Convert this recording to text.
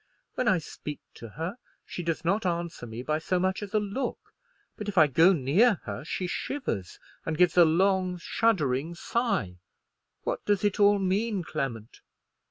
When I speak to her, she does not answer me by so much as a look; but if I go near her she shivers, and gives a long shuddering sigh. What does it all mean, Clement?"